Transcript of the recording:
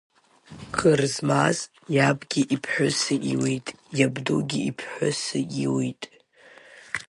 Кыр змаз иабгьы иԥсхәы иуит, иабдугьы иԥсхәы иуит.